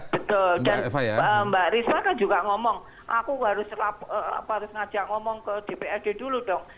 betul dan mbak risa kan juga ngomong aku harus ngajak ngomong ke dprd dulu dong